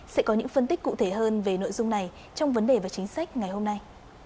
sẽ có những phân tích cụ thể hơn về nội dung này trong vấn đề và chính sách ngày hôm nay